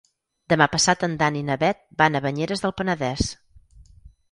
Demà passat en Dan i na Bet van a Banyeres del Penedès.